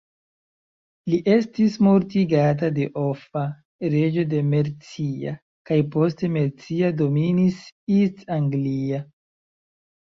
Li estis mortigata de Offa, reĝo de Mercia, kaj poste Mercia dominis East Anglia.